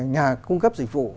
nhà cung cấp dịch vụ